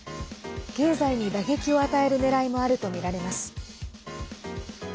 経済に打撃を与えるねらいもあるとみられます。